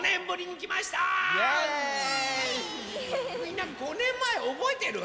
みんな５ねんまえおぼえてる？